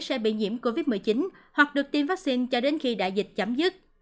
sẽ bị nhiễm covid một mươi chín hoặc được tiêm vaccine cho đến khi đại dịch chấm dứt